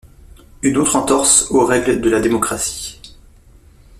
Une autre entorse aux règlesde la démocratie.